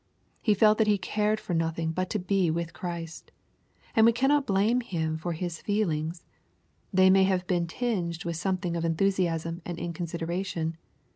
He felt that he cared for nothing but to be with Christ. And we cannot blame him for his feelings. They may have been tinged with something of enthusiasm and inconsideration.